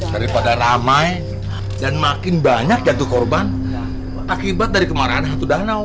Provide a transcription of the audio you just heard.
daripada ramai dan makin banyak jatuh korban akibat dari kemarahan satu danau